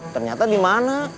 ternyata di mana